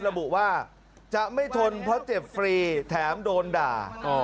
ระบุว่าจะไม่ทนเพราะเจ็บฟรีแถมโดนด่า